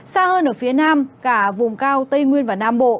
xa hơn ở phía nam cả vùng cao tây nguyên và nam bộ